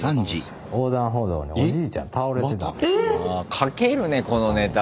かけるねこのネタ